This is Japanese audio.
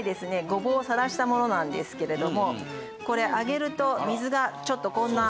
ごぼうをさらしたものなんですけれどもこれ上げると水がちょっとこんな。